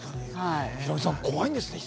ヒロミさん、怖いんですね。